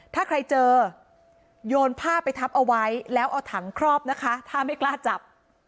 ถ้าใครเจอโยนผ้าไปทับเอาไว้แล้วเอาถังครอบนะคะถ้าไม่กล้าจับ